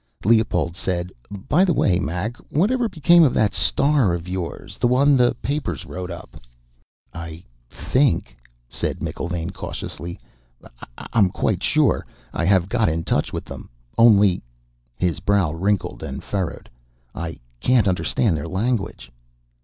Leopold said, "By the way, Mac, whatever became of that star of yours? The one the papers wrote up." "I think," said McIlvaine cautiously, "I'm quite sure I have got in touch with them. Only," his brow wrinkled and furrowed, "I can't understand their language."